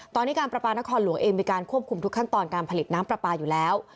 ตอนนี้การประปานครหลวงเองมีการควบคุมทุกขั้นตอนการผลิตน้ำปลาปลาอยู่แล้ว